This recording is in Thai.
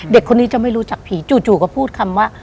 เด็กคนนี้จะไม่รู้จักผีจู่ก็พูดคำว่า